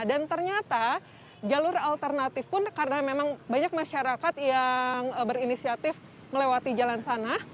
dan ternyata jalur alternatif pun karena memang banyak masyarakat yang berinisiatif melewati jalan sana